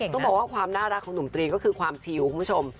ต้องบอกว่าความน่ารักของหนุ่มตรีก็คือความชิวคุณผู้ชม